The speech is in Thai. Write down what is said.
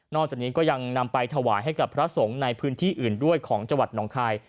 จากนี้ก็ยังนำไปถวายให้กับพระสงฆ์ในพื้นที่อื่นด้วยของจังหวัดหนองคาย